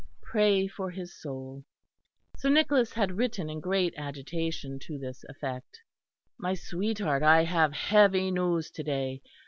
Pray for his soul." Sir Nicholas had written in great agitation to this effect. "My sweetheart, I have heavy news to day.